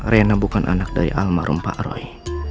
rena bukan anak dari almarhum pak roy